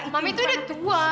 mami tuh udah tua